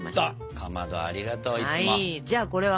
かまどありがとういつも。